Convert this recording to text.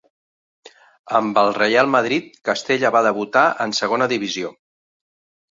Amb el Reial Madrid Castella va debutar en Segona Divisió.